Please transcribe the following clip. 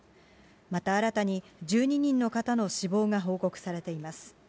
また新たに、１２人の方の死亡が報告されています。